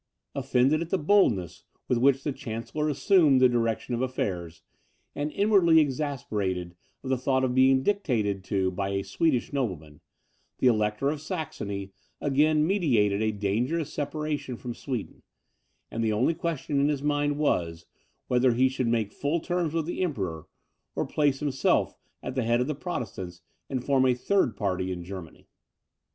Offended at the boldness with which the chancellor assumed the direction of affairs, and inwardly exasperated at the thought of being dictated to by a Swedish nobleman, the Elector of Saxony again meditated a dangerous separation from Sweden; and the only question in his mind was, whether he should make full terms with the Emperor, or place himself at the head of the Protestants and form a third party in Germany.